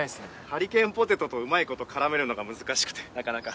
ハリケーンポテトとうまいこと絡めるのが難しくてなかなか。